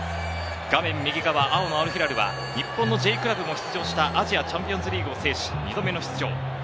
画面右側、青のアルヒラルは日本のＪクラブに出場したアジアチャンピオンズリーグを制し、２度目の出場。